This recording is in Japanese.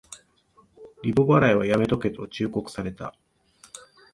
リボ払いはやめとけと忠告された